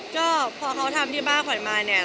เพราะว่าเขาทำที่บ้านขวัญมาเนี่ย